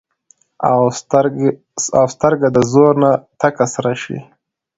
او سترګه د زور نه تکه سره شي